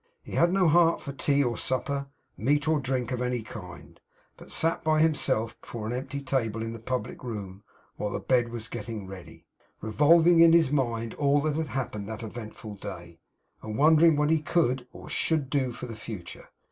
He had no heart for tea or supper, meat or drink of any kind, but sat by himself before an empty table in the public room while the bed was getting ready, revolving in his mind all that had happened that eventful day, and wondering what he could or should do for the future.